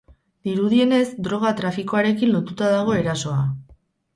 Dirudienez, droga trafikoarekin lotuta dago erasoa.